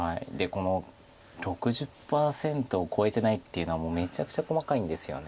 この６０％を超えてないっていうのはもうめちゃくちゃ細かいんですよね。